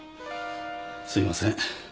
すいません。